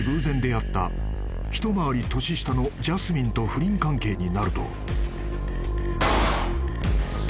［一回り年下のジャスミンと不倫関係になると］